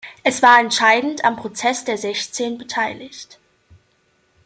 Es war entscheidend am "Prozess der Sechzehn" beteiligt.